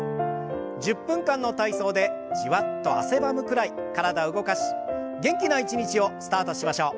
１０分間の体操でじわっと汗ばむくらい体を動かし元気な一日をスタートしましょう。